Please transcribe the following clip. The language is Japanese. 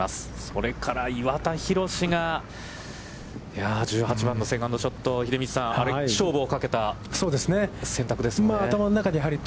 それから岩田寛が、１８番のセカンドショット、秀道さん、あれ勝負をかけた選択ですもんね。